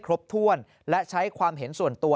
ครบถ้วนและใช้ความเห็นส่วนตัว